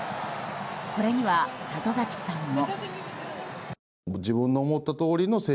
これには里崎さんも。